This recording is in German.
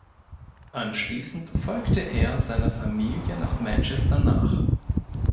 Anschließend folgte er seiner Familie nach Manchester nach.